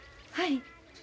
はい。